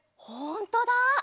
ほんとだ！